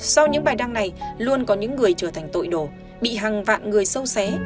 sau những bài đăng này luôn có những người trở thành tội đồ bị hàng vạn người sâu xé